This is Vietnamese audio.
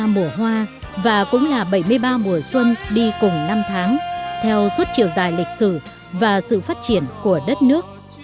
ba mùa hoa và cũng là bảy mươi ba mùa xuân đi cùng năm tháng theo suốt chiều dài lịch sử và sự phát triển của đất nước